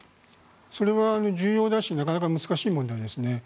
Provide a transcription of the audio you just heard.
それは重要だしなかなか難しい問題ですね。